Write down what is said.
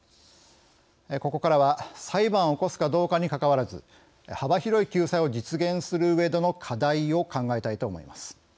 ここからは裁判を起こすかどうかにかかわらず、幅広い救済を実現するうえでの課題を考えたいと思います。